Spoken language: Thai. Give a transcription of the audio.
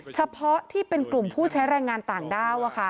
เฉพาะที่เป็นกลุ่มผู้ใช้แรงงานต่างด้าว